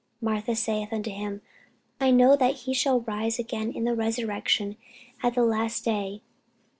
Martha saith unto him, I know that he shall rise again in the resurrection at the last day.